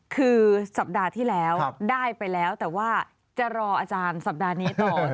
คือสัปดาห์ที่แล้วได้ไปแล้วแต่ว่าจะรออาจารย์สัปดาห์นี้ต่อ